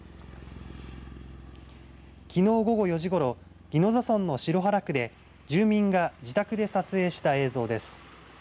きのう午後４時ごろ宜野座村の城原区で住民が自宅で撮影した映像です。